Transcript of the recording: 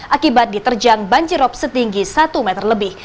akibat diterjang banjirop setinggi satu meter lebih